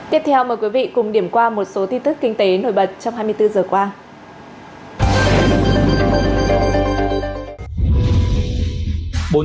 tiếp theo mời quý vị cùng điểm qua một số tin tức kinh tế nổi bật trong hai mươi bốn giờ qua